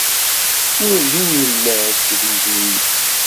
Werǧin yella-d deg umezruy-is.